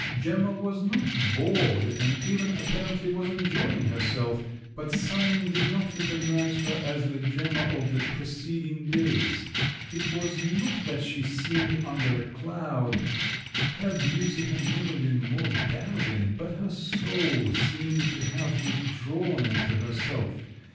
Gemma was not bored, and even, apparently, was enjoying herself; but Sanin did not recognise her as the Gemma of the preceding days; it was not that she seemed under a cloud—her beauty had never been more dazzling—but her soul seemed to have withdrawn into herself.